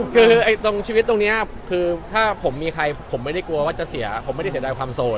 คือตรงชีวิตตรงนี้คือถ้าผมมีใครผมไม่ได้กลัวว่าจะเสียผมไม่ได้เสียดายความโสด